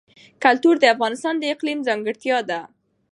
کلتور د افغانستان د اقلیم ځانګړتیا ده.